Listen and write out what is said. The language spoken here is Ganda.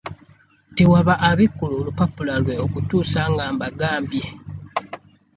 Tewaba abikkula olupapula lwe okutuusa nga mbagambye.